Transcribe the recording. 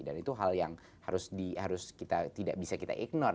dan itu hal yang harus kita tidak bisa kita ignore